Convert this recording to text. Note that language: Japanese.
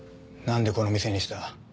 なんでこの店にした？